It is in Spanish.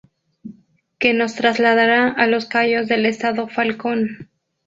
Que nos trasladará a los cayos del Estado Falcón.